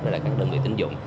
và các đơn vị tính dụng